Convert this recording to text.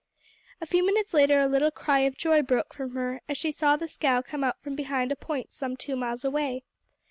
A few minutes later a little cry of joy broke from her as she saw the scow come out from behind a point some two miles away.